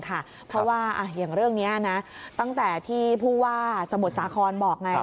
เพราะว่าอย่างเรื่องนี้นะตั้งแต่ที่ผู้ว่าสมุทรสาครบอกไง